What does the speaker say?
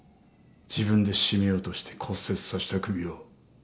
自分で絞めようとして骨折させた首を。